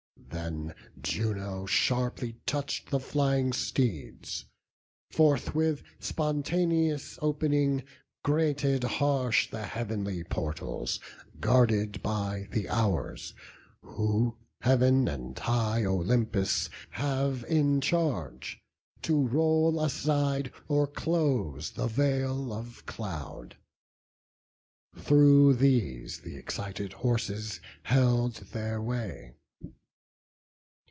Then Juno sharply touch'd the flying steeds; Forthwith spontaneous opening, grated harsh The heavenly portals, guarded by the Hours, Who Heav'n and high Olympus have in charge, To roll aside or close the veil of cloud; Through these th' excited horses held their way.